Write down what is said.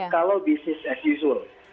kalau bisnis as usual